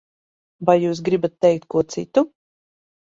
Vai jūs gribat teikt ko citu?